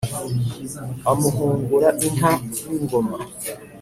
amuhungura inka n’ingoma,